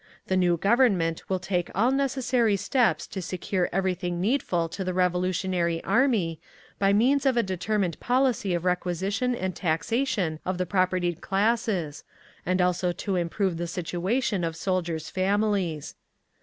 The new Government will take all necessary steps to secure everything needful to the revolutionary Army, by means of a determined policy of requisition and taxation of the propertied classes, and also to improve the situation of soldiers' families.